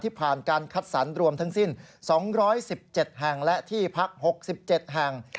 ผ่านการคัดสรรรวมทั้งสิ้น๒๑๗แห่งและที่พัก๖๗แห่ง